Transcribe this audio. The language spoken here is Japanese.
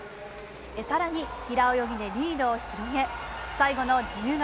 さらに、平泳ぎでリードを広げ、最後の自由形。